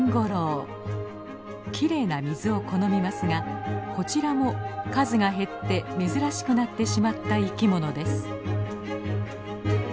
きれいな水を好みますがこちらも数が減って珍しくなってしまった生きものです。